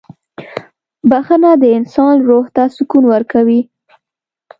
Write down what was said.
• بخښنه د انسان روح ته سکون ورکوي.